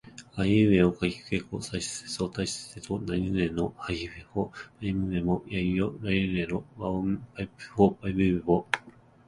あいうえおかきくけこさしすせそたちつてとなにぬねのはひふへほまみむめもやゆよらりるれろわおんぱぴぷぺぽばびぶべぼ